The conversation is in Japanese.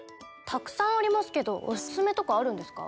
たくさんありますけどオススメとかあるんですか？